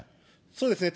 そうですね。